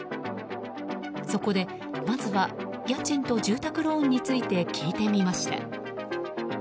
そこで、まずは家賃と住宅ローンについて聞いてみました。